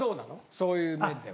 そういう面では。